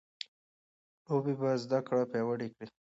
لوبې به زده کړه پیاوړې کړي.